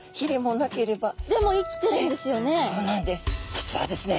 実はですね